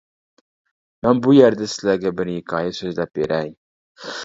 مەن بۇ يەردە سىلەرگە بىر ھېكايە سۆزلەپ بېرەي.